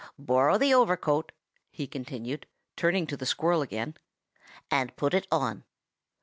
Borrow the overcoat," he continued, turning to the squirrel again, "and put it on.